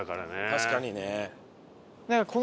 確かにね。